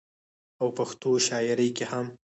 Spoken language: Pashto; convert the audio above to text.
او پښتو شاعرۍ کې هم